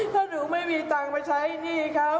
ถ้าหนูไม่มีตังค์มาใช้หนี้เขา